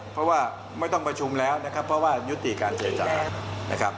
เพราะว่าไม่ต้องประชุมแล้วเพราะว่ายุติการเจรจา